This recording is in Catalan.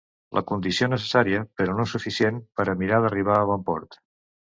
La condició necessària, però no suficient, per a mirar d’arribar a bon port.